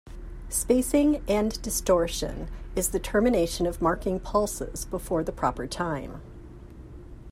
Spacing end distortion is the termination of marking pulses before the proper time.